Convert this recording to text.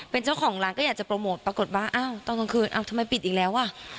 เป็นเจ้าของร้านก็อยากจะโปรโมทปรากฏว่าอ้าวตอนกลางคืนอ้าวทำไมปิดอีกแล้วอ่ะ